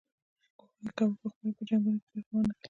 کوښښ یې کاوه پخپله په جنګونو کې برخه وانه خلي.